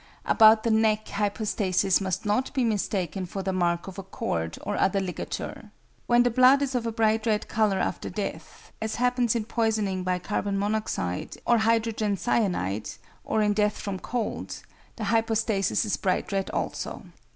About the neck hypostasis must not be mistaken for the mark of a cord or other ligature. When the blood is of a bright red colour after death (as happens in poisoning by CO or HCN, or in death from cold), the hypostasis is bright red also.